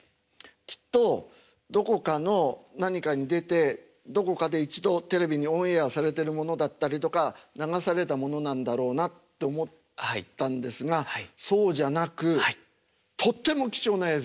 きっとどこかの何かに出てどこかで一度テレビにオンエアされてるものだったりとか流されたものなんだろうなって思ったんですがそうじゃなくとっても貴重な映像。